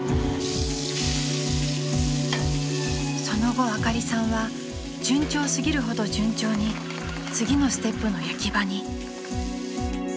［その後あかりさんは順調すぎるほど順調に次のステップの焼き場に］